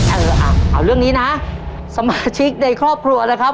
เออเอาเรื่องนี้นะสมาชิกในครอบครัวนะครับ